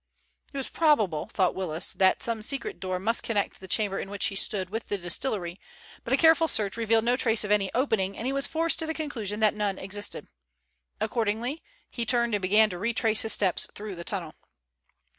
It was probable, thought Willis, that some secret door must connect the chamber in which he stood with the distillery, but a careful search revealed no trace of any opening, and he was forced to the conclusion that none existed. Accordingly, he turned and began to retrace his steps through the tunnel.